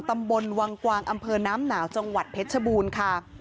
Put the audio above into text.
ตำบลวังกวางอำเภอน้ำหนาวจังหวัดเพชรชบูรณ์ค่ะ